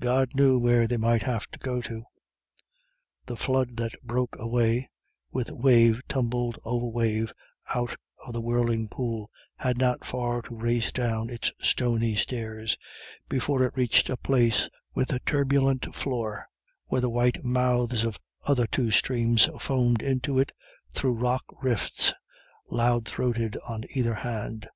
God knew where they might have got to. The flood that broke away, with wave tumbled over wave, out of the whirling pool, had not far to race down its stony stairs before it reached a place with a turbulent floor, where the white mouths of other two streams foamed into it through rock rifts, loud throated on either hand.